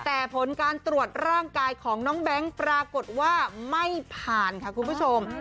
แต่ผลการตรวจร่างกายของน้องแบงค์ปรากฏว่าไม่ผ่านค่ะคุณผู้ชม